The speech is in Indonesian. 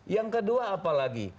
yang kedua apa lagi